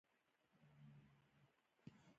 زه د سهار خوږ غږونه خوښوم.